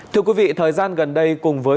thưa quý vị thời gian gần đây cùng với